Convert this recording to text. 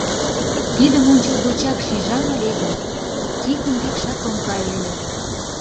Тидым ончылгочак шижам ыле гын, Тикын декшат ом кае ыле...